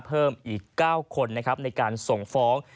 เพิ่มอีก๙คนนะครับในการส่งฟ้อง